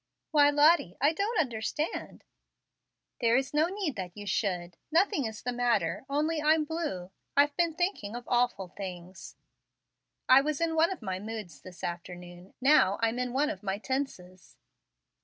"Why, Lottie, I don't understand " "There is no need that you should. Nothing is the matter only I'm blue I've been thinking of awful things. I was in one of my moods this afternoon, now I'm in one of my tenses."